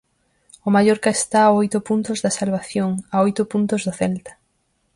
O Mallorca está a oito puntos da salvación, a oito puntos do Celta.